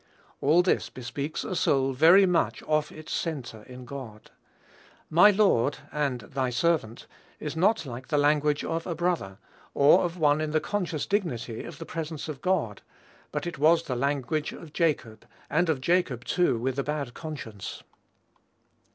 All this bespeaks a soul very much off its centre in God. "My lord," and "thy servant," is not like the language of a brother, or of one in the conscious dignity of the presence of God; but it was the language of Jacob, and of Jacob, too, with a bad conscience.